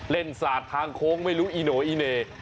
เล่นสาดทางโค้งไม่รู้อิโนะอิเนย์